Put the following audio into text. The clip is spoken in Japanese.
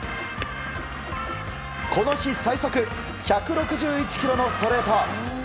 この日、最速１６１キロのストレート。